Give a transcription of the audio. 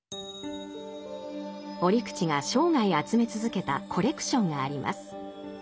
折口が生涯集め続けたコレクションがあります。